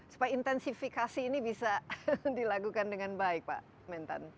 supaya intensifikasi ini bisa dilakukan dengan baik pak mentan